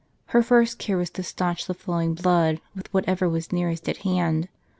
Her first • care was to stanch the flowing blood with whatever was nearest at hand.